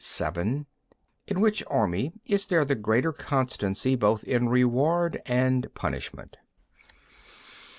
(7) In which army is there the greater constancy both in reward and punishment?